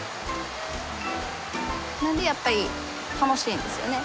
なのでやっぱり楽しいんですよね。